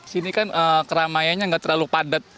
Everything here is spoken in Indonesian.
sini kan keramaiannya nggak terlalu padat